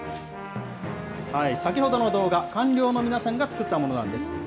先ほどの動画、官僚の皆さんが作ったものなんです。